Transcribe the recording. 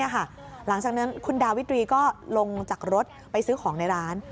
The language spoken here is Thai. หลังจากนั้นคุณดาวิตรีก็ลงจากรถไปซื้อของในร้าน